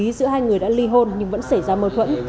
giữa hai người đã ly hôn nhưng vẫn xảy ra mâu thuẫn